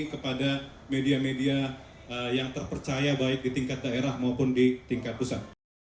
kepada media media yang terpercaya baik di tingkat daerah maupun di tingkat pusat